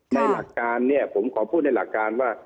หลักการเนี่ยผมขอพูดในหลักการว่า